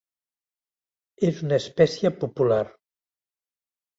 És una espècia popular.